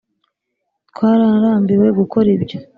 Twararambiwe gukora ibyo